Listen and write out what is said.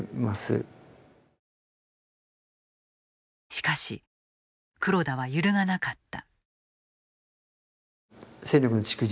しかし、黒田は揺るがなかった。